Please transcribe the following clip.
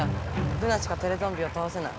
ルナしかテレゾンビをたおせない。